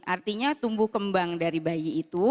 artinya tumbuh kembang dari bayi itu